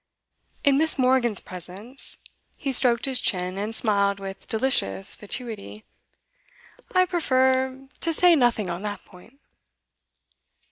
'In Miss. Morgan's presence,' he stroked his chin, and smiled with delicious fatuity 'I prefer to say nothing on that point.